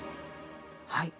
はい。